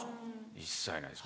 一切ないです。